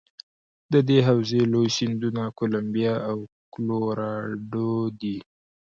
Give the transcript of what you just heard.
د دې حوزې لوی سیندونه کلمبیا او کلورادو دي.